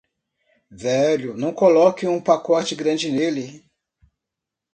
Velho, não coloque um pacote grande nele.